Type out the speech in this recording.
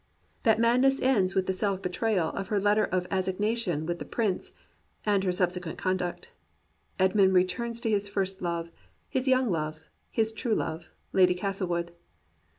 That madness ends with the self betrayal of her letter of assignation with the Prince, and her subsequent conduct. Esmond returns to his first love, his young love, his true love. Lady Castlewood.